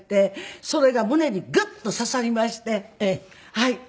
はい。